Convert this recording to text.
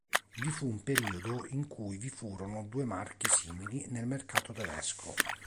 Vi fu un periodo in cui vi furono due marchi simili nel mercato tedesco.